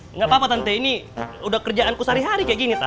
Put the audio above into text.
enggak apa apa tante ini udah kerjaanku sehari hari kayak gini